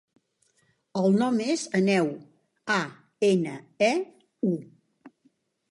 El nom és Aneu: a, ena, e, u.